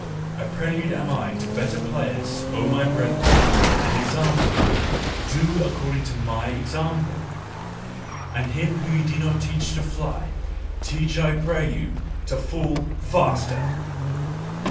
A prelude am I to better players, O my brethren! An example! DO according to mine example! And him whom ye do not teach to fly, teach I pray you TO FALL FASTER!